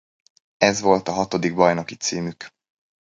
Ez volt a hatodik bajnoki címük.